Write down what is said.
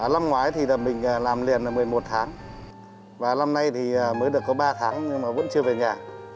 lâm ngoái thì mình làm liền một mươi một tháng và lâm nay thì mới được có ba tháng nhưng mà vẫn chưa về nhà